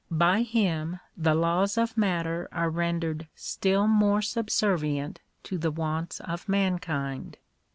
By him the laws of matter are rendered still more subservient to the wants of man kind.